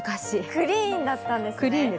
クリーンだったんですね。